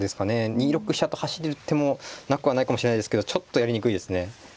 ２六飛車と走る手もなくはないかもしれないですけどちょっとやりにくいですね。